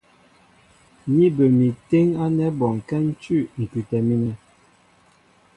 Ní bə mi téŋ ánɛ́ bɔnkɛ́ ń cʉ̂ ŋ̀kʉtɛ mínɛ.